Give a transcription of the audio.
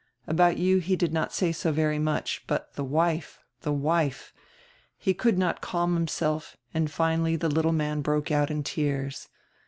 About you he did not say so very much, but the wife, the wife! He could not calm himself and finally the little man broke out in tears.